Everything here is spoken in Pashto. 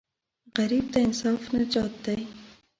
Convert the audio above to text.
غریب ته انصاف نجات دی